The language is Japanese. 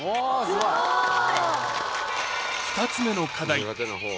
２つ目の課題